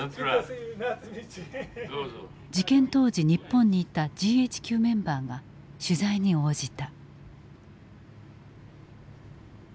事件当時日本にいたＧＨＱメンバーが取材に応じた。